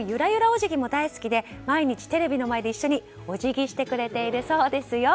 お辞儀も大好きで毎日テレビの前で一緒にお辞儀してくれているそうですよ。